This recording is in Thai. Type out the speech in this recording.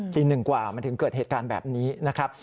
ตีหนึ่งกว่ามันถึงเกิดเหตุการณ์แบบนี้นะครับ